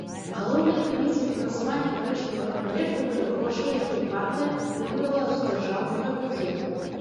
Галоўнай крыніцай фінансавання карычневага праекту былі грошы, якія партыя атрымлівала з дзяржаўнага бюджэту.